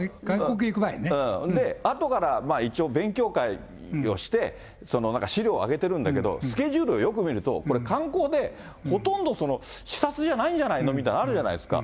で、あとから一応、勉強会をして、なんか資料を上げてるんだけど、スケジュールをよく見ると、これ観光で、ほとんど視察じゃないんじゃないのみたいなのあるじゃないですか。